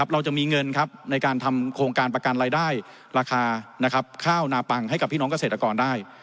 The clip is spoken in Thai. เราจะมีเงินในการทำโครงการประกันรายได้ราคาข้าวนาปังให้กับพี่น้องเกษตรกรได้